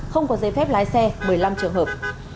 không có giấy phép lái xe một mươi năm trường hợp